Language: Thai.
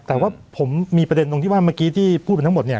แต่ว่าผมมีประเด็นตรงที่ว่าเมื่อกี้ที่พูดไปทั้งหมดเนี่ย